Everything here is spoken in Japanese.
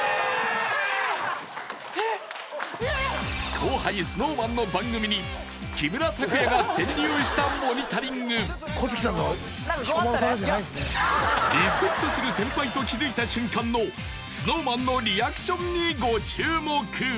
後輩ＳｎｏｗＭａｎの番組に木村拓哉が潜入したモニタリングリスペクトする先輩と気づいた瞬間のＳｎｏｗＭａｎのリアクションにご注目